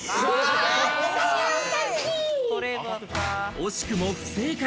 惜しくも不正解。